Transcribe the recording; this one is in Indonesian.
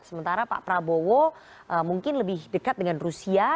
sementara pak prabowo mungkin lebih dekat dengan rusia